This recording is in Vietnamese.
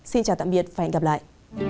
xin chào tạm biệt và hẹn gặp lại